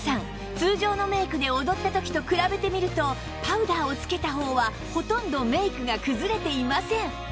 通常のメイクで踊った時と比べてみるとパウダーをつけた方はほとんどメイクがくずれていません